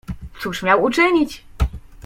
"Cóż miał uczynić?"